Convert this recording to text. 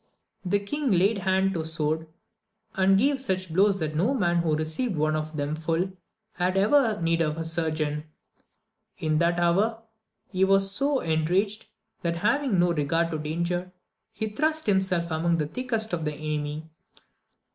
The king laid hand to sword, and gave such blows that no man who received one of them full had ever need of a surgeon. In that hour he was so en raged, that having no regard to danger, he thrust him self among the thickest of the enemy.